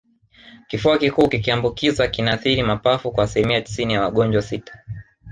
Kifua kikuu kikiambukiza kinaathiri mapafu kwa asilimia tisini ya wagonjwa sita